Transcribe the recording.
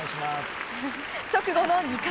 直後の２回。